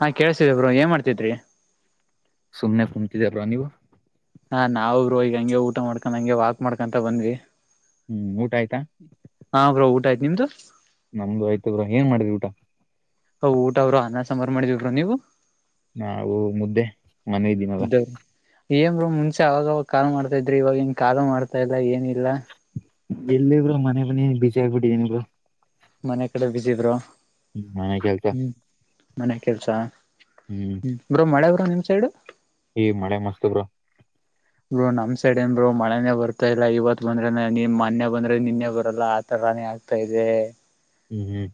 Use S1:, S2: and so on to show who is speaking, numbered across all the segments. S1: ಹಾ ಕೇಳ್ಸ್ತಿದೆ ಬ್ರೋ ಏನ್ ಮಾಡ್ತಿದ್ರಿ.
S2: ಸುಮ್ನೆ ಕುಂತಿದ್ದೆ ಬ್ರೋ ನೀವು.
S1: ಹಾ ನಾವು ಬ್ರೋ ಈಗ ಹಂಗೆ ಊಟ ಮಾಡ್ಕೊಂಡ್ ಹಂಗೆ ವಾಕ್ ಮಾಡ್ಕೊಂತ ಬಂದ್ವಿ.
S2: ಹ್ಮ್ ಊಟ ಆಯ್ತಾ.
S1: ಟ ನಿಮ್ಮದು.
S2: ನಮ್ದು ಆಯ್ತ ಬ್ರೋ ಏನ್ ಮಾಡ್ರಿ ಊಟ.
S1: ಸಂಬರ್ ಮಾಡಿದ್ದೀವಿ ಬ್ರೋ ನೀವು.
S2: ನಾವು ಮುದ್ದೆ ಮನೆದಿನಲ್ಲ.
S1: ಏನ್ ಬ್ರೋ ಮುಂಚೆ ಅವಾಗವಾಗ ಮಾಡ್ತಾ ಇದ್ರಿ ಇವಾಗ ಏನ್ ಕಾ ಮಾಡ್ತಾ ಇಲ್ಲ ಏನ್ ಇ
S2: ಎಲ್ಲಿ ಬ್ರೋ ಮನೆ ಇವ್ನಿ ಬಿಜಿ ಆಗಿಬಿಟ್ಟಿದೀನಿ ಬ್ರೋ.
S1: ಮನೆ ಕಡೆ ಬಿಜಿ ಬ್ರೋ.
S2: ಹ್ಮ ಮನೆ [unintelligible]
S1: ಹ್ಮ್ ಮನೆ ಕೆಲ್ಸ
S2: ಹ್ಮ್
S1: ಬ್ರೋ ಮಳೆ ಬರು ನಿಮ್ ಸೈಡ್.
S2: ಈ ಮಳೆ ಮಸ್ತ ಬ್ರೋ
S1: ಬೋ ನಮ್ ಸೈಡ್ ಏನ್ ಬ್ರೋ ಮಳೆನೇ ಬರ್ತಾ ಇಲ್ಲ ಇವತ್ ಬಂದ್ರೆ ನಿ ಮೊನ್ನೆ ಬಂದ್ರೆ ನಿನ್ನೆ ಬರಲ್ಲ ಆತರ. [unintelligible] ಆಗ್ತಾ ಇದೆ
S2: ಹ್ಮ್ ಹ್ಮ್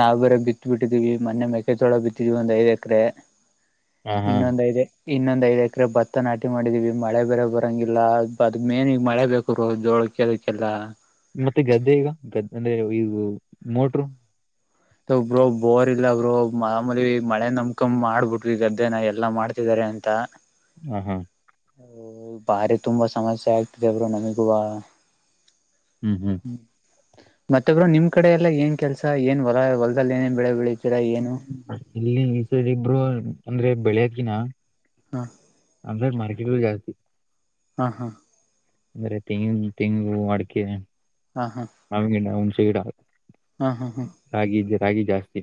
S1: ನಾವು ಬೆರೆ ಬಿತ್ ಬಿಟ್ಟಿದೀವಿ ಮೊನ್ನೆ ಮೆಕೆ ಜೋಳ ಬಿತ್ತಿದೀವಿ ಒಂದ್ ಐದ್ ಎಕ್ರೆ.
S2: ಹ ಹಾ
S1: ಇನ್ನೊಂದ್ ಐದು ಇನ್ನೊಂದ್ ಎಕ್ರೆ ಭತ್ತನಾಟ್ ಮಾಡಿದೀವಿ ಮಳೆ ಬೇರೆ ಬರೋಂಗಿಲ್ಲ ಅದ್ ಮೇನ್ ಈಗ್ ಮಳೆ ಬೇಕು ಬ್ರೋ ಜೋಳಕೆದುಕ್ಕೆಲ್ಲ.
S2: ಮತ್ತೆ ಗದ್ದೆ ಈಗ ಗದ್ದೆ ಅಂದ್ರೆ ಈವು ಮೋಟ್ರು.
S1: ತು ಬ್ರೋ ಬೋರ್ ಇಲ್ಲ ಬ್ರೋ ಮಾಮುಲಿ ಮಳೆ ನಮಕ್ ಮಾಡ್ಬಿಟ್ವಿ ಈ ಗದ್ದೆನ ಎಲ್ಲಾ ಮಾಡ್ತಿದಿದ್ದಾರೆ. ಎಂತ
S2: ಹ ಹ
S1: ಬಾರಿ ತುಂಬಾ ಸಮಸ್ಯೆ ಆಗ್ತಿದೆ ಬ್ರೋ ನಮಗೂವ.
S2: ಹ್ಮ್ ಹ್ಮ್
S1: ಮತ್ತೆ ಬ್ರೋ ನಿಮ್ ಕಡೆ ಎಲ್ಲಾ ಏನ್ ಕೆಲ್ಸ ಏನ್ ಹೊಲ ಹೊಲದದಲ್ಲಿ ಏನ್ ಬೆಳೆ ಬೆಳಿ
S2: ಇಲ್ಲಿ [unintelligible] ಬ್ರೋ ಅಂದ್ರೆ ಬೆಳೆಯಕಿನ
S1: ಹ
S2: ಅಂದ್ರೆ ಮರ್ಗಿದ್ ಜಾ
S1: ಹಾ ಹಾ
S2: ಅಂದ್ರೆ ತೆಂಗ ತೆಂಗು ಅಡ್ಕೆ
S1: ಹ ಹ
S2: [unintelligible] ಗಿಡ ಹುಣ್ಸೆ ಗಿಡ
S1: ಹ ಹ ಹ ಹ
S2: ರಾಗಿ ಇದ್ದ ರಾಗಿ ಜಾಸ್ತಿ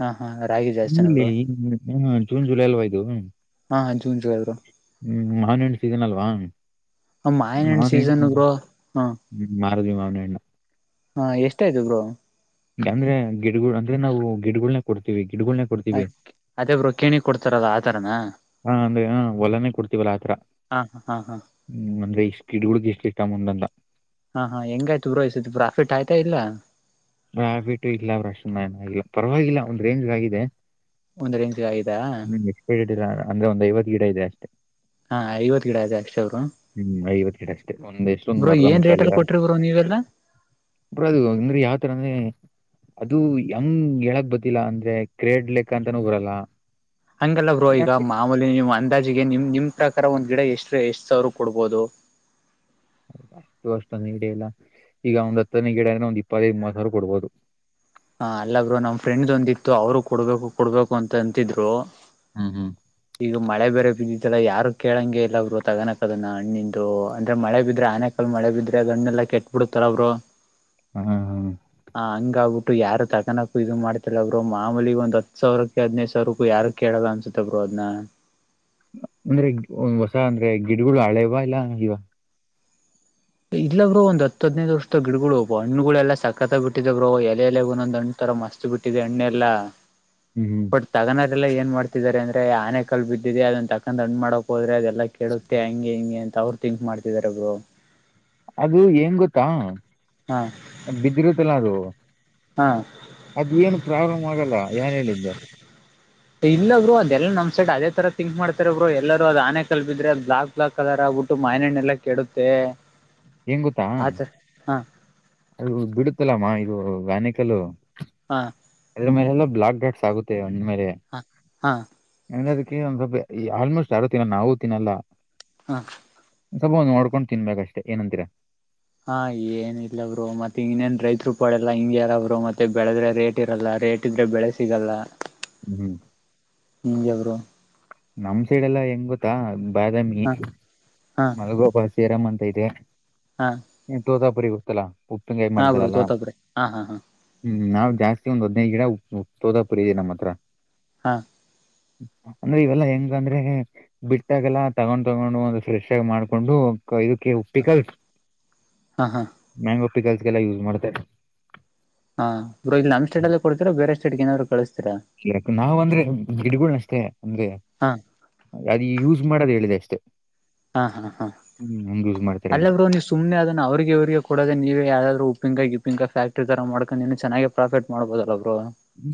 S1: ಹ ಹಾ ರಾಗಿ ಜಾಸ್ತಿನ
S2: ಇಲ್ಲಿ
S1: ಬ್ರೋ
S2: [unintelligible] ಜೂನ್ ಜುಲೈ ಅಲ್ಲಿಯದು-
S1: ಹಾ ಜೂನ್ ಜುಲೈ ಬ್ರೋ
S2: ಹ್ಮ್ ಮೌನಣ್ಣು ಸಿಗಲ ಅಲ್ವಾ.
S1: ಮಾವಿನ ಹಣ್ಣು ಸೀಸನ್
S2: ಮಾವಿನೆಣ್ಣು
S1: ಬ್ರೋ
S2: ಮಾರುದ್ವಿ ಮಾವಿನೆಣ್ಣು.
S1: ಹಾ ಎಷ್ಟಯ್ತು ಬ್ರೋ
S2: ಅಂದ್ರೆ ಗಿಡಗಳು ಅಂದ್ರೆ ನಾವು ಗಿಡಗಳನೆ ಕೊಡ್ತೀವಿ. ಗಿಡಗಳನ್ನ ಕೊಡ್ತೀವಿ
S1: ಆಯ್ತ್ ಅದೇಬ್ರು ಕೇಣಿ ಕೊಡ್ತಾರಲ್ಲ ಆತರನ.
S2: ಹಾ ಅಂದ್ರೆ ಹ ಒಲನೆ ಕೊಡ್ತಿವಲ್ಲಾ ಆತರ
S1: ಹಾ ಹಾ ಹಾ
S2: ಹ್ಮ್ ಅಂದ್ರೆ ಸ್ಪೀಡ್ಗಳ ಎಷ್ಟ ಅಮೌಂಟ್ಟಂತ
S1: ಹಾ ಹಾ ಹೆಂಗಾಯ್ತು ಬ್ರೋ ಈ ಸತಿ ಪ್ರಾಫಿಟ್ ಆಯ್ತಾ ಇಲ್ಲ.
S2: ಪ್ರಾಫಿಟ್ ಇಲ್ಲ ಬ್ರೋ ಅಷ್ಟನ್ಲ ಪರವಾಗಿಲ್ಲ ಒಂದ್ ರೇಂಜ್ ಆಗಿದೆ.
S1: ಒಂದ್ರ ಇಂಚ್ ಯದಾ
S2: ಹ್ಮ್ ಎಕ್ಸ್ಪೈರ್ಡ್ ಅಂದ್ರೆ ಒಂದು ಐವತ್ತು ಗಿಡ ಇದೆ ಅಷ್ಟೇ
S1: ಹಾ ಐವತ್ ಗಿಡ ಆದೆ ಅಕ್ಷ ಅವರು
S2: ಹ್ಮ್ ಐವತ್ತಡ್ ಅಷ್ಟೇ ಒಂದ ಎಷ್ಟೊಂದ್ ಮರದ
S1: ಏನ್ ರೇಟ್
S2: ಮುಖಾಲಿ
S1: ಅಲ್ಲಿ
S2: ಯಾರ
S1: ಕೊಟ್ರಿ ಬ್ರೋ ನೀವೆಲ್ಲ
S2: ಬ ಅದು ಅಂದ್ರೆ ಯಾವ ತರ ೆ ಅದು ಹೆಂಗ್ ಹೇಳಕ್ ಬತಿಿಲ್ಲ ಅಂದ್ರೆ ಕ್ರೇಡ್ ಲೆಕ್ಕ ಅಂತಾನೂ ಬರಲ್ಲ
S1: ಹಂಗಲ್ಲ ಬ್ರೋ ಈಗ
S2: ಯಾಕೆ
S1: ಮಾಮೂಲಿ ನಿಮ್ಮ್ ಅಂದಾಜಿಗೆ ನಿಮ್ ನಿಮ್ ಪ್ರಕಾರ ಒಂದ್ ಗಿಡ ಎಷ್ಟೇ ಎಷ್ಟು ಸಾವಿರ ಕೊಡ್ಬೋದು
S2: ಅಷ್ಟು ಅಷ್ಟೊ ಗಿಡ ಇಲ್ಲ ಈಗ ಒಂದ್ ಹತ್ತನೇ ಗಿಡ ಆದಂದ್ರೆ ಒಂದ್ ಇಪ್ಪತ್ತೈದು ಮೂವತ್ ಸಾವಿರ ಕೊಡ್ಬೋದು
S1: ಹ ಅಲ್ಲಬ್ರು ನಮ್ ಫ್ರೆಂಡ್ ಒಂದಿತ್ತು ಅವರು ಕೊಡ್ಬೇಕು ಕೊಡ್ಬೇಕು ಅಂತ ಅಂತಿದ್ರು
S2: ಹ್ಮ್ ಹ್ಮ್
S1: ಈಗ ಮಳೆ ಬೇರೆ ಬಿದ್ದಿದ್ದಲ್ಲ ಯಾರು ಕೇಳಂಗೆ ಇಲ್ಲ ಗರು ತಗಣಕ್ದ ಹಣ್ಣ ನಿಂದು ಅಂದ್ರೆ ಮಳೆ ಬಿದ್ರೆ ಆನೆ ಕಾಲ ಮಳೆ ಬಿದ್ರೆ ಗಣ್ಣೆಲ್ಲ ಕೆಟ್ಟಟ್ ಬಿಡತಾರ ಬ್ರೋ
S2: ಹಾ ಹಾ
S1: ಹಂಗುತ್ತೆ ಯಾರ ತಗಕೋಕು ಇದು ಮಾಡ್ತಿಲ್ಲ ಬರು ಮಾಮೂಲಿ ಒಂದ ಹ ಸಾವಿರಕ್ಕೆ ಹದಿನೈದು ಸಾವರಕ್ಕೂ ಯಾರು ಕೇಳೋದ ಅನ್ಸುತ್ತೆ ಬರು ಅನ್ನ
S2: ಅಂದ್ರೆ ಹೊಸ ಅಂದ್ರೆ ಗಿಡಗಳು ಹಳೆವಾ ಇಲ್ಲ ಇವ
S1: ಇಲ್ಲ ಬ್ರ ಒ್ ಹದ್ೈದು್ ವರ್ಷದ ಗಿಡಗಳುಬ ಹಣ್ಣುಗಳೆಲ್ಲ ಸಕತ್ತತ ಬಿಟ್ಟಿದರುೋ ಎಲೆ ಎಲೆ ಒಂದೊಂದ ಅಂ್ ರ ಮಸ್ತ್ ಬಿಟ್ಟಿದೆ ಎಣ್ಣೆ ಎಲ್ಲಾ
S2: ಹ್ಮ್ ಹ್ಮ್
S1: ಬಟ್ ತಗಣರೆಲ್ಲ ಏನ್ ಮಾಡ್ತಿದಿದ್ದಾರೆ ಅಂದ್ರೆ ಆನೆ ಕಲ್ ಬಿದ್ದಿದೆ ಅದನ್ ತಕಂದ ಹಣ್ ಮಾಡಕ್ ಹೋದ್ರೆ ಅದೆಲ್ಲ ಎಲ್ಲ ಕೇಳುತ್ತೆ ಹಂಗೆ ಹಿಂಗೆ ಅಂತ ಅವರು ತಿಂಕ್ ಮಾಡ್ತಿದಿದ್ದಾರೆೊಬ್ರು
S2: ಅದು ಏಂಗ ಗೊತ್ತಾ
S1: ಹಾ
S2: ಬಿದ್ದಿರುತ್ತಲ್ಲಾ ಅದು
S1: ಹಾ
S2: ಅದ್ ಏನು ಪ್ರಾಬ್ಲಮ್ ಆಗಲ್ಲ ಏನ್ ಹೇಳಿದ್ದು
S1: [inaudible] ಇಲ್ಲ ಬ್ರರು ಅದೆಲ್ಲ ನ್ ಸೈಡ್ ಅದೇ ತರ ತಿಂಕ್ ಮಾಡ್ತಾರೆ ಬ್ರರು ಎಲ್ಲರ ಅ ಆನೆ ಕಲ್ಬಿದ್ರೆ ಬ್ಲಾಕ್ ಬ್ಲಾ ಕಲರ್ ಆಗ್ಬಟ್ಟು ಮಾನಣ್ಣೆಲ್ಲಾ ಕೆಡುತ್ತೆ
S2: ಹೆ ಗೊತ್ತಾ
S1: ಆತರ ಹಾ
S2: ಅದು ಬಿಡುತ್ತಲಮ್ಮ ಇದು ವ್ಯಾನಿಕಲ್ಲ
S1: ಹಾ
S2: ಅದ್ರ ಮೇಲೆಲ್ಲ ಬ್ಲಾಕ್ ಾಟ್ಸ್ ಆಗುತ್ತೆ ಒಂದ್ಮೇಲೆ
S1: ಹ ಹಾ
S2: ಅದ ಂದ ಸ್ವಲ್ಪ ಈ ಆಲ್ಮೋಸ್ಟ್ ಯಾರು ತಿನ್ನ ನಾವು ತಿನ್ನಲ್ಲ
S1: ಹ
S2: ಸ್ವಲ್ಪ ಒಂದ್ ನೋಡ್ಕೊಂಡು ತಿನ್ಬೇಕಷ್ಟೇ ಏನಂತೀರಾ
S1: ಹಾ ಏನ್ ಇಲ್ಲವರು ಮತ್ತೆ ಇನ್ನೇನ್ ರೈತ್ರುಪಾಳಲ್ಲಾ ಹಿಂಗ ಯಾರವ್ರು ಮತ್ತೆ ಬೆಳೆದ್ರೆ ರೇಟ್ ಇರಲ್ಲ ರೇಟ್ ಇದ್ರೆ ಬೆಳೆ ಸಿಗಲ್ಲ
S2: ಹ್ಮ್
S1: ಹಜವರು
S2: ನಮ್ ಸೈಡೆಲ್ಲಾ ಹೆಂಗುತ್ತಾ ಬಾದಾಮಿ
S1: ಹ ಹಾ
S2: ಮಲ್ಗೋಬ ಸೀರಾಮ್ ಅಂತ ಇದೆ
S1: ಹಾ
S2: ತೋತಾಪುರಿ ಗೊತ್ತಲ್ಲಾ ಉಪ್ಪಿನಕಾಯಿ
S1: ಹಾ ಬ್ರೋ
S2: ಮಾಡ್ತಾರಲ್ಲ
S1: ತೋತಬ್ರಿ ಹಾ ಹಾ ಹಾ
S2: ಹ್ಮ್ ನಾವವು ಜಾಸ್ತಿ ಒಂದ್ ಹದ್ನೈದು ಗಿಡ ಉಪ್ಪ ಉಪ್ಪ ಸೋದಾಪುರಿದೆ ನಮ್ಮ ಹತ್ರ
S1: ಹಾ
S2: ಅಂದ್ರೆ ಇವೆಲ್ಲಾ ಹೆಂಗ ಅಂದ್ರೆ ಬಿಟ್ಟಾಗೆಲ್ಲ ತಗೊಂಡ್ ತಗೊಂಡು ಒಂದ ಫ್ರೆಶ್ ಆಗಿ ಮಾಡ್ಕೊಂಡು ಇದಕ್ಕೆ ಉಪ್ಪಿ ಕಲ್
S1: ಹಾ ಹಾ
S2: ಮಂಗ ಲ್ಲ್ಲ ಯೂಸ್ ಮಾಡ್ತಾರೆ
S1: ಹಾ ಇಬ್ರು ಇಲ್ಲಿ ನಮ್ ಸ್ಟೈಡ್ಲ್ಲ ಕೊಡ್ತತಿರ ಬೇರೆ ಸ್ಟೈಡ್ ಏನ್ರು ಕಳಿಸ್ತೀಾ
S2: ಇರಕ ನಾವವು ಅಂದ್ರೆ ಗಿಡಗಳ ಅಷ್ಟೇ ಅಂದ್ರೆ
S1: ಹಾ
S2: ಅದ ಯೂಸ್ ಮಾಡದು ಹೇಳಿದೆ ಅಷ್ಟೆ
S1: ಹಾ ಹಾ ಹಾ
S2: ಯೂಸ್ ಮಾಡ್ತಾರೆ ಅಂತ
S1: ಅಲ್ಲಬ್್ರರು ನೀವು ಸುಮ್ಮನೆ ಅದನ್ನ ಅವ್ರಿಗೆ ಇವ್ರಿಗೆ ಕೊಡೋದ ನೀವ ಯಾವ್ದಾದ್ರು ಿಂಗ ಗಿಂಗ ಫ್ಯಾಕ್ಟಿ ತರ ಮಾಡ್ಕೊಂಡ ನೀನು ಚೆನ್ನಾಗಿ ಪ್ರಾಫಿಟ್ ಮಾಡಬೋದಲ್ಲ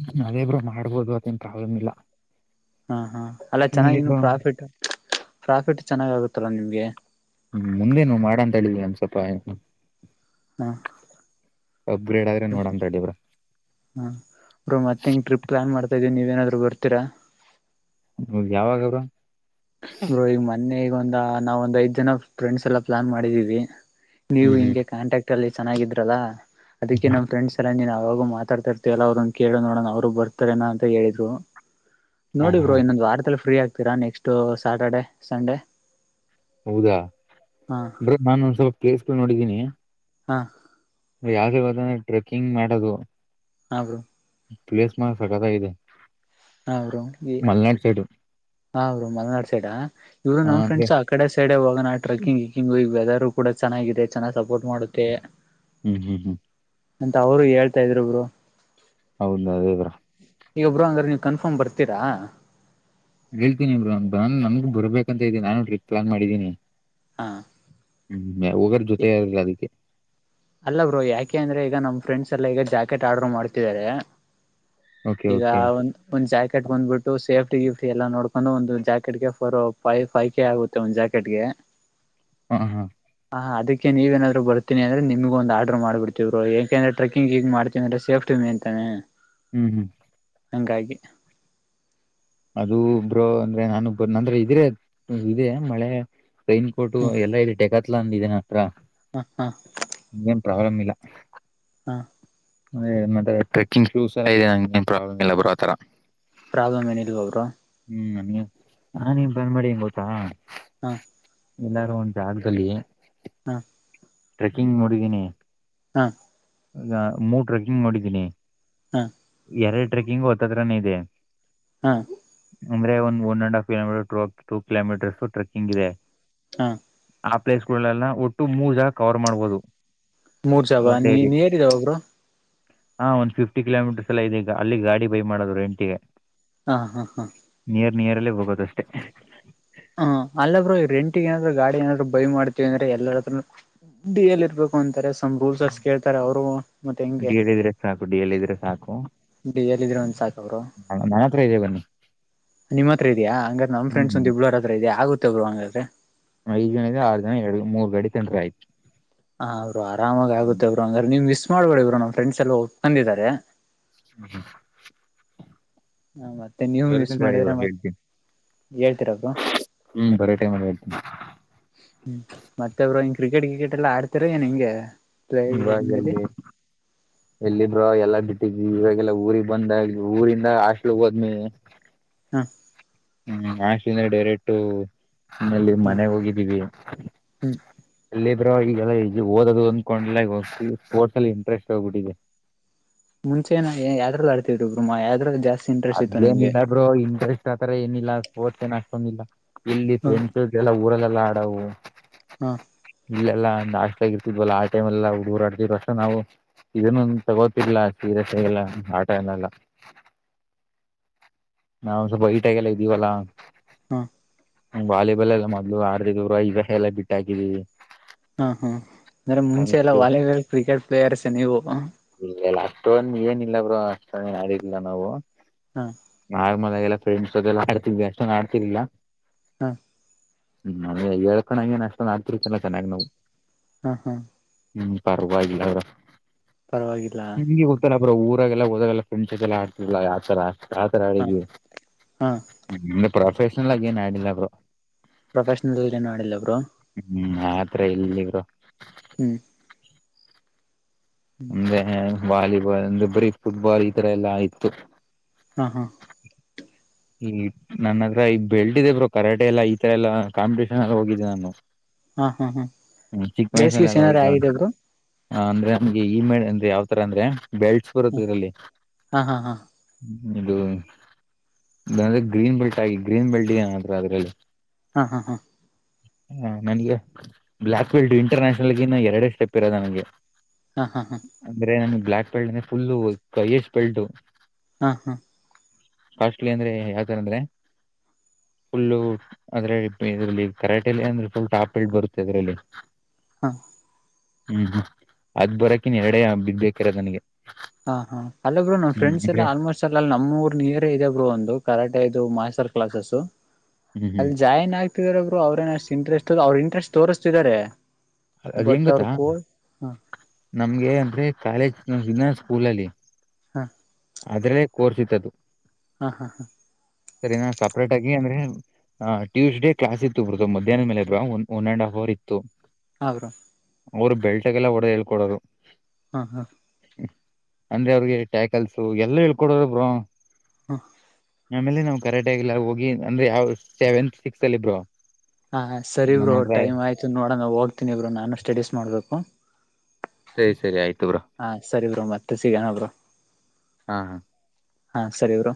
S2: ಹ್ಮ ಅದೇಬ್ರು ಮಾಡ್ಬೋದು ಅತ್ತೇನ್ ಪ್ರಾಬ್ಲಮ್ ಇಲ್ಲಾ
S1: ಹಾ ಹಾ ಅಲ್ಲ ಚೆನ್ನಾಗಿನ್ನು ಪ್ರಾಫಿಟ್ ಪ್ರಾಫಿಟ್ ಚೆನ್ನಾಗ್ ಆಗುತ್ತಲ್ಲ ನಿಮ್ಗೆ
S2: ಹ್ಮ್ ಮುಂದೆನು ಮಾಡ ಅಂತ ಹೇಳಿದವಿ ಒಂದ್ ಸ್ವಲ್ಪ
S1: ಹಾ
S2: ಅಪ್ಗ್ರೇಡ್ ಆದ್ರೆ ನೋಡ ಅಂತ ಅಡಿವ್ರರು
S1: ಹಾರು ಮತ್ತೆ ಹೆಂಗ ಟ್ರಿಪ್ ಪ್ಲಾನ್ ಮಾಡ್ತಾ ಇದೀಿ ನೀವ ಏನಾದ್ರು ಬರ್ತೀರಾ
S2: ನಮಗ್ ಯಾವಾಗ್ರ
S1: ಗೋ ಈಗ ಮೊನ್ನೆ ಈಗ ಒಂದ ನಾವ ಒಂದ್ ಐದ್ ಜನ ಫ್ರೆಂಡ್ಸ್ ಎಲ್ಲ ಪ್ಲಾನ್ ಮಾಡಿದೀವಿ ನೀವು
S2: ಹ್ಮ್ ಹ್ಮ್
S1: ಹಿಂಗೆ ಕಾಂಟ್ಯಾಕ್ಟ್ ಅಲ್ಲಿ ಚೆನ್ನಾಗಿದ್ರಲ್ಲಾ ಅದಕ್ಕೆ ನಮ್ಮ್ ಫ್ರೆಂಡ್ಸ್ ಎಲ್ಲ ಯಾವಾಗೂ ಮಾತಾಡ್ತಾ ಇರ್ತಯಲ್ಲ ಅವ್ರನ್ನ ಕೇಳ ನೋಡೋಣ ಅವರು ಬರ್ತಾರೇನ ಅಂತ ಹೇಳಿದ್ರು
S2: ಹ
S1: ನೋಡಿ ಬ್ರೋ
S2: ಹಾ
S1: ಇನ್ನೊಂದು್ ವಾರದಲ್ಲಿ ಫ್ರೀ ಆಗ್ತೀರಾ ನೆಕ್ಸ್ಟ್ ಸ್ಯಾಟರ್ಡೆ ಸಂಡೆ
S2: ಹೌದಾ
S1: ಹಾ
S2: ಬ್ರ ನಾನುೊಂದ್ ಸ್ವಲ್ಪ ಪ್ಲೇಸ್ಗಳು ನೋಡಿದ್ದೀನಿ
S1: ಹಾ
S2: ಯಾವ್ದ್ರ ಹದೆ ಟ್ರೆಕ್ಕಿಂಗ್ ಮಾಡದು
S1: ಹಾ ಬ್ರೋ
S2: ಪ್ಲೇಸ್ ಮ ಸಕತ ಇದೆ
S1: ಹ್ರಮಿಗೆ ಹಾ ಅವರು ಮಲ್ನಾಡ್ ಸೈಡ್ಾ ಇ್ರು
S2: ಹ
S1: ನಮ್
S2: ಅಂದ್ರೆ
S1: ಫ್ರಂಡ್ಸ್ ಆ ಕಡೆ ಸೈಡ್ ಹೋಗ ನಾ ಟ್ರೆಕ್ಕಿಂಗ್ ಹಿಂಗ್ ಈ ವೆದರ್ ಕೂಡ ಚೆನ್ನಾಗಿದೆ ಚೆನ್ನಾಗಿ ಸಪೋರ್ಟ್ ಮಾಡುತ್ತೆ
S2: ಹ್ಮ್ ಹ್ಮ್ ಹ್ಮ್
S1: ಅಂತ ಅವರು ಹೇಳ್ತಾ ಇದರುಬ್ರು
S2: ಹೌದ ಇವರ
S1: ಈಗೊಬ್ಬರು ಹಂಗ್ರೆ ನೀವು ಕನ್ಫರ್ಮ್ ಬರ್ತೀರಾ
S2: ಹೇಳ್ತೀನಿ ಇಬ್ರು ನನ್ ನಮ್ಗ್ ಬರ್ಬೇಕಂತ ಇದ್ದೆ ನಾನು ಟ್ರಿಪ್ ಪ್ಲಾನ್ ಮಾಡಿದ್ದೀನಿ
S1: ಹಾ
S2: ಹ್ಮ್ ಹಗರ್ ಜೊತೆ ಇಲಿಲ್ಲ ಅದಕ್ಕೆ
S1: ಅಲ್ಲ ಬ್ರೋ ಯಾಕೆ ಅಂದ್ರೆ ಈಗ ನಮ್ಮ್ ಫ್ರೆಂಡ್ಸ್ ಎಲ್ಲ ಈಗ ಜಾಕೆಟ್ ಆರ್ಡರ್ ಮಾಡ್ತಿದ್ದಾರೆ
S2: ಓಕೆ
S1: ಈಗ
S2: ಓಕೆ
S1: ಒಂದ ಒಂದ್ ಜಾಕೆಟ್ ಬಂದ್ಬಿಟ್ಟು ಸೇಫ್ಟ ಫಿ ಎಲ್ಲ ನೋಡ್ಕೊಂಡು ಒಂದು ಜಾಕೆಟ್ಗೆ ಫೋರ್ ೈ ಫೈ ಕೆ ಆಗುತ್ತೆ ಒಂದು ಜಾಕೆಟ್ಗೆ
S2: ಹಾ ಹಾ
S1: ಹ ಅದಕ್ಕೆ ನೀವೇನಾದರು ಬರ್ತೀಿ ಅಂದ್ರೆ ನಿಮಗೆ ಒಂದು ಆರ್ ಮಾಡ್ ಬಿಡ್ತತಿ್ರು ಯಾಕೆಂದ್ರೆಟ್ರೆಿಂಗ ಹಗಗ್ ಮಾಡತೀವ ಅ್ರ ಸೇಫ್ಟಿ ಮ ಅಂತಾನೆ
S2: ಹ್ಮ್ ಹ್ಮ್
S1: ಅಂಗಂಗಾಗಿ
S2: ಅದು ಒಬ್ರು ಅಂದ್ರೆ ನಾನುಬ್ಬ ನಂದ್ರೆ ಇದ್ರೆ ಇದೇ ಮಳೆ ರೈನ್ ಕೋಟು
S1: ಹ್ಮ್
S2: ಎಲ್ಲಾ ಇದೆ ಟೆಕತ್ಲ ಅಂದ ಇದೇನ ಹತ್ರ
S1: ಹ್ಮ್ ಹ್ಮ್
S2: ಪ್ರಾಬ್ಲಮ್ ಇಲ್ಲ
S1: ಹಾ
S2: ಮತ್ತೆ ಟ್ರೆಕ್ಕಿಂಗ್ ಶೂಸ್ ಇದೆ ನಂನ್ ಪ್ರಾಬ್ಲಮ್ ಇಲ್ಲ ಬರೋಥರ
S1: ಪ್ರಾಬ್ಲಮ್ ಏನಿಲ್ವ ಅವರು
S2: ಹ್ಮ್ ನೀ ಹಾ ನೀನ್್ ಬಂದ್ ಮಾಡಿ ಹೆಂಗ ಗೊತ್ತಾ
S1: ಹಾ
S2: ಎಲ್ಲಾರು ಒಂದು ಜಾಗದಲ್ಲಿ
S1: ಹ್ಮ
S2: ಟ್ರೆಕ್ಕಿಂಗ್ ನೋಡಿದೀನಿ
S1: ಹಾ
S2: ಮೂ ಟ್ರೆಕ್ಕಿಂಗ್ ನೋಡಿದ್ದೀನಿ
S1: ಹ್ಮ್
S2: ಎರಡು ಟ್ರೆಕಿಂಗ್ ಓದ್ದತ್ರಾನ ಇದೆ
S1: ಹಾ
S2: ಅಂದ್ರೆ ಒಂದು ಒನ್ ಅಂಡ್ ಹಫ್ ಕಿೋೀಟರ್ಟ ಟ ಕಿೋಮೀಟರ್ ಟೆಕಿಂಗ್ ಇದೆ
S1: ಹಾ
S2: ಆ ಪ್ಲೇಸ್ ಗಳೆಲ್ಲ ಒಟ್ಟು ಮೂ ಜಾಗ ಕವರ್ ಮಾಡ್ಬೋದು
S1: ಮೂರ್ ಸಾವ ನೀ ನೀ ಹೇರಿದ್ದಾವ ಒಬ್ರು
S2: ಹಾ ಒಂದ್ ಫಿಫ್ಟಿ ಕಿಲೋಮೀಟರ್ಸ್ ಎಲ್ಲ ಇದೀಗ ಅಲ್ಲಿ ಗಾಡಿ ಬೈ ಮಾಡೋ್ರು ಎಂಟಿಗೆ
S1: ಹಾ ಹಾ ಹಾ
S2: ನಿಯರಲ್ಲೇ ಹೋಗೋದಷ್ಟೆ
S1: ಹ ಅಲ್ಲಬ್ರು ರೆಂಟಿ ಏನಾದ್ರು ಗಾಡಿ ಏನಾದ್ರು ಬೈ ಮಾಡ್ತೀವಿ ಅಂದ್ರೆ ಎಲ್ಲಾರಾದೂ ಡಿ ಎಲ್ ಇರ್ಬೇಕು ಅಂತ ತ ಸಂಭೂಲ್ಸಸ್ ಕೇಳ್ತಾರೆ ಅವರು ಮತ್ತೆ ಹೆಂಗೆ
S2: ಡಿ ಎಲ್ ಇದ್ರೆ ಸಾಕು ಡಿ ಎಲ್ ಇದ್ರೆ ಸಾಕು
S1: ಬಿ ಎಲ್ಲಿದ್ರೆ ಒಂದ ಸಾಕ ಅವರು
S2: ನನ್ನ ಹತ್ರ ಇದೆ ಬನ್ನಿ
S1: ನಿಮ್ಮ ಹತ್ರ ಇದೆಯಾ ಹಂಗ್ರ ನ ಫ್ರೆಡ್ಸ್
S2: ಹ್ಞೂ
S1: ಒಂದ್ ಇಬ್ಬಳೋರ ಹತ್ರ ಇದೆಯ ಆಗುತ್ತೆ ಒಬ್ರು ಹಂಗಾದ್ರೆ
S2: ಐದು ಜನದ ಆರು ಜನ ಎರಡು ಮೂರ್ ಗಡಿ ತಂದ್ರ ಆಯ್ತು
S1: ಹಾ ಅವರು ಆರಾಮಾಗಿ
S2: ಹ್ಞೂ
S1: ಆಗುತ್ತೆ ಇಬ್ರು ಹಂಗ್ರ ನೀವ್ ಮಿಸ್ ಮಾಡ್ಬೇಡ ಇಬ್ರು ನಮ್ಮ ಫ್ರಂಡ್ಸ್ ಎಲ್ಲಾ ಒಪ್ಕೊಂಡಿದ್ದಾರೆ
S2: [inaudible]
S1: ಮತ್ತೆ ನೀವು ಮಿಸ್ ಮಾಡಿದ್ರೆ ಮತ್
S2: [unintelligible]
S1: ಹೇಳ್ತೀರಾ ಬ್ರೋ
S2: [unintelligible]
S1: ಹ್ಮ್ ಮತ್ತೊಬ್ರು ಹಿಂಗ ಕ್ರಿಕೆಟ್ ಕ್ರಿಕೆಟ್ ಎಲ್ಲಾ ಆಡ್ತರ ಏನ್ ಹಿಂಗೆ
S2: ಹ
S1: ಪ್ಲೇಲಿ
S2: ಎಲ್ಲಿ ಎಲ್ಲಿಬ್ರ ಎಲ್ಲಾ ಬಿಟ್ಟ ಇವಾಗಲ್ಲ ಊರಿಗೆ ಬಂದಾಗ ಊರಿಂದ ಹಸ್ಲು ಹೋದ್ಮಿ
S1: ಹ್ಮ
S2: ಹ್ಮ್ ಆಶಿಂದ್ರ ಡೈರೆಟು ನಿಮ್ಮಲ್ಲಿ
S1: ಹ
S2: ಮನೆ
S1: ಹ್ಮ್
S2: ಹೋಗಿದ್ದೀವಿಲ್ಲಿ ಪರವಾಗಿಲ್ಲ ಈ ಓದೋದು ಅಂದ್ಕೊಂಡ್ ಹೋಗ ಸ್ಪೋರ್ಟ್ಸ್ ಅಲ್ಲಿ ಇಂಟ್ರೆಸ್ಟ್ ಹೋಗ್ಬಿಟ್ಟಿದೆ
S1: ಮುಂಚೆನ ಯ್ದ್ರ ಆಡ್ತಿದರು ಬ್ರಮ್ಮಾ ಯದ್ರ ಜಾಸ್ತಿ ಇಂಟ್ರೆಸ್ಟ್ ಇತ್ತು ನಿಮ್ಗೆ
S2: ಅದೇನಿಲ್ಲಾ ಬ್ರೊ ಇಂಟ್ರೆಸ್ಟ್ ಆತರ ಏನಿಲ್ಲ ಓತ ನ್ ಅಷ್ಟೊಂದಿಲ್ಲ ಇಲ್ಲಿ
S1: ಹ
S2: ಫ್ರೆಂಡ್ಸ್ಗೆಲ್ಲ ಊರಲ್ಲೆಲ್ಲಾ ಆಡವು
S1: ಹ
S2: ಇಲ್ಲೆಲ್ಲಾ ಹಾಸ್ಟೇಲ್ ಆಗಿರ್ತ್ವಲ್ಲಾ ಆ ಟೈಮ್ಲ್ ಹುಡುಗರಾಡ್ದ್ ಅಷ್ಟೆ ನಾವು ಇದನ್ನು ತಗೋತಿಲ್ಲ ಸೀರೆಸ ಎಲ್ಲ ಆಟ ಎನ್ನಲ್ಲ ನಾವು ಸ್ವಲ್ಪ ಐಟಾಗಲ್ಲ ಇದ್ದೀವಲ್ಲಾ
S1: ಹಾ
S2: ಹ ವಾಲಿಬಾಲ್ ಎಲ್ಲ ಮೊದ್ಲು ಆಡ್ತಿದಿವಿ ಈಗ ಎಲ್ಲ ಬಿಟ್ಟ ಹಾಕಿದಿವವಿ
S1: ಹಾ ಹಾ ಅಂದ್ರೆ ಮುಂಚೆ ಎಲ್ಲ ವಾಲಿಬಾಲ್ ಕ್ರಿಕೆಟ್ ಪ್ಲೇಯರ್ಸ್ಸ ನೀವು
S2: ಪೋನ್ ಏನಿಲ್ಲ ಬ್ರೋ ಅಷ್ಟಿಲ್ಲ ನಾವು
S1: ಹಾ
S2: ಆ ಮಲಾಗಲ್ಲ ಫ್ರೆಂಡ್ಸ್ ಜೊಲ್ಲ ಮಾಡತಿದವಿ ಅಷ್ಟೊಡ್ತಿಲಿಲ್ಲ
S1: ಹಾ
S2: ಹ್ಮ್ ನ ಹೇಳ್ಕೊಂಡಣಂಗಗೆನ್ ಅಷ್ಟ ನ ಮಾಡ್ತಿರ್ತಿಲ್ಲ ಚೆನ್ನಾಗ್ ನಾವು
S1: ಹ
S2: ಹ್ಮ್ ಪರ್ವಾಗಿಲ್ಲ ಅವರ
S1: ಪರವಾಗಿಲ್ಲ
S2: ಬ್ರೊ ಊರಗಲ್ಲ ಹೋದಾಗಲ್ಲ ಫೆಂಟಸ್ ಎಲ್ಲ ಆಡ್ತಿಲ್ಲ ಯತರ ಆತರ
S1: ಹ
S2: ಆಡಿದ್ವಿ
S1: ಹಾ
S2: ಪ್ರೊಫೆಷನಲ್ ಆಗ ಏನ್ ಆಡಿಲ್ಲ
S1: ಪ್ರೊಫೆಷನಲ್ಲ್ ಏನು ಮಾಡಿಲ್ಲ ಬ್ರು
S2: ಆತ್ರ ಇಲ್ಲಿಬ್ರು
S1: ಹ್ಮ್
S2: ಅಂದೆ ವಾಲಿಬಾಲ್ ಅಂದ್ರೆ ಬ್ರೀ ಫುಟ್ಬಾಲ್ ಈ ತರ ಎಲ್ಲಾ ಆಯ್ತು
S1: ಹಾಹಾ
S2: ಈ ನನ್ನತ್ರ ಈಗ ಬೆಳಟಿದೆೇ ಬರು ಕರಾಟೆ ಎಲ್ಲಾ ಈತರ ಎಲ್ಲಾ ಕಾಂಪಿಟೇಷನ್ ಎಲ್ಲ ಹೋಗಿದ್ದೆ ನಾನು
S1: ಹಾ ಹಾ ಹಾ
S2: ಹ್ಮ್ ಚಿಕ್ಕ
S1: ಪ್ಲೇಸ್
S2: ವಯಸ್ಸಲ್ಲ
S1: ಗೀಸ್
S2: ಎಲ್ಲ
S1: ಏನಾರ
S2: ಹೋಗ್ತಾವ
S1: ಆಗಿದೆ ಬ್ರೋ
S2: ಹ ಅಂದ್ರೆ ನಮ್ಗೆ ಈ ಮೇ ಅಂದ್ರೆ ಯಾವ್ತರ ಅಂದ್ರೆ ಬೆಳ್ಸ್ ಬರುತ್ತ ಇದರಲ್ಲಿ
S1: ಹಾ ಹಾ ಹಾ
S2: ಇದು ಇದಂದ್ರೆ ಗ್ರೀನ್ ಬೆಲ್ಟ್ ಆಗಿ ಗ್ರೀನ್ ಬೆಲ್ಟ್ ಏನ್ರ ಅದ್ರಲ್ಲಿ
S1: ಹಾ ಹಾ ಹಾ
S2: ಹಾ ನನಗೆ ಬ್ಲ್ಯಾಕ್ ಫೀಲ್ಡ್ ಇಂಟರ್ನ್ಯಷನಲ್ಗ ಇನ್ನು ಎರಡೇ ಸ್ಟೆಪ್ ಇರದ ನನಗೆ
S1: ಹಾ ಹಾ ಹಾ
S2: ಅಂದ್ರೆ ನನ್ಗೆ ಬ್ಲ್ಯಾಕ್ ಬೆಲ್ಟ್ ಅಂದೆ ಫುಲ್ ಕೈಯಸ್ ಬೆಲ್ಟ್
S1: ಹ್ಮ ಹಾ
S2: ಕಾಸ್ಟ್ಲಿ ಅಂದ್ರೆ ಯಾವತರ ಅಂದ್ರೆ ಫುಲ್ಲು ಅದ್ರಲ್ಲಿ ಇದ್ರಲ್ಲಿ ಕರಾಟೆಲಿ ಅಂದ್ರೆ ಫುಲ್ ಟಾಪ್ಲ್ ಬರುತ್ತೆ ಅದ್ರಲ್ಲಿ [unintelligible]
S1: ಹಾ
S2: ಹ್ಮ್ ಹ್ಮ್ ಅದ್ ಬರಕಿನ್ ಎರಡೇ ಬಿದ್ದಬೇಕೇಕರ ನನಗೆ
S1: ಹ ಹಾ ಅಲ್ಲ ಬ್ರರು ನಮ
S2: ಹ್ಮ್
S1: ಫ್ರೆಂಡ್ ಎಲ್ಲ
S2: ಅಂದ್ರೆ
S1: ಆಲ್ಮೋಸ್ಟ್ ಎಲ್ಲ ನಮ್ಮ ಊರ್ ನೀಯರೇ ಇದೆ ಬರು ಒಂದು ಕರಾಟೆ ಇದು ಮಾಸ ಕ್ಲ
S2: ಹ್ಮ್ ಹ್ಮ್
S1: ಅಲ್ಲಿ ಜಾಯನ್ ಆ [inaudible] ರು ಅವ್ರೇನಷ್ಟ ಇಂಟ್ರೆಸ್ಟ್ ಅವರು ಇಂಟ್ರೆಸ್ಟ್ ತೋರಿಸ್ತಿದಿದ್ದಾರೆ
S2: ಅ ಅದ್ ಹೆಂಗತ್ತಾ ನಮ್ಗೆ ಅಂದ್ರೆ ಕಾಲೇಜ್ ದಿನ ಸ್ಕೂಲಲ್ಲಿ [unintelligible]
S1: ಹಾ
S2: ಆದ್ರ ಕೋರ್ಸತ್ತದದು
S1: ಹಾ ಹಾ ಹಾ
S2: ಸರಿನಾ ಸಪ್ರೇಟ್ ಆಗಿ ಅಂದ್ರೆ ಹಾ ಟ್ಯೂಸ್ ಡ ಕ್ಲಾಸ್ ಇತ್ತು ಬರುತ ಮಧ್ಯಾಹ್ನ ಮೇಲೆಲ್ one and half hour ಇತ್ತು [unintelligible]
S1: ಹ ಬ್ರೋ
S2: ಅವರು ಬೆಲ್ಟಗೆ ಎಲ್ಲ ಹೊಡೆದ ಹೇಳ್ಕೊಡೋರು
S1: ಹಾ ಹಾ
S2: ಅಂದ್ರೆ ಅವ್ರಿಗೆ ಟ್ಯಾಕಲ್ಸು ಎಲ್ಲ ಹೇಳ್ಕೊಡ್ರ ಬ್ರೋ [inaudible]
S1: ಹ್ಮ
S2: ಆಮೇಲೆ ನಾವು ಕರೆಾಟೆಾಗಿಲ್ಲ ಹೋಗಿ ಅಂದ್ರೆ ಯಾವ್ ಸೆವೆಂತ್ ಸಿಕ್ಸ್ತ್ ಅಲ್ಲಿ ಬ್ರೋ [unintelligible]
S1: ಹಾ ಸರಿ
S2: ನನ್ನ
S1: ಬ್ರೋ
S2: ಹತ್ರ
S1: ಟೈಮ್ ಆಯ್ತು ನೋಡಣ ಹೋಗ್ತೀನಿ ಇಬ್ರು ನಾನು ಸ್ಟಡೀಸ್ ಮಾಡ್ಬೇಕು [unintelligible]
S2: ಸರಿ ಸರಿ ಆಯ್ತು ಬ್ರೋ
S1: ಹಾ ಸರಿ ಬ್ರೋ ಮತ್ತೆ ಸಿಗಣ ಬ್ರೋ [unintelligible]
S2: ಹಾ ಹಾ
S1: ಹಾ ಸರಿ ಬ್ರೋ